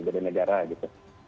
beda negara gitu